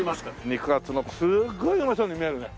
肉厚のすごいうまそうに見えるね。